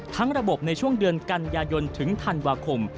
ระบบในช่วงเดือนกันยายนถึงธันวาคม